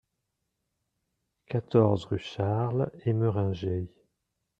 quatorze rue Charles Emeringer